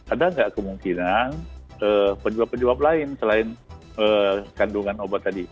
ada nggak kemungkinan penyebab penyebab lain selain kandungan obat tadi